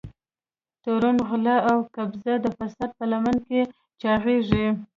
ترور، غلا او قبضه د فساد په لمن کې چاغېږي.